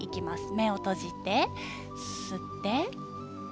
手を閉じて吸って。